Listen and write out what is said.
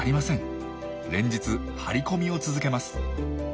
連日張り込みを続けます。